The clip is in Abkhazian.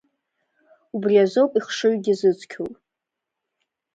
Убри азоуп ихшыҩгьы зыцқьоу.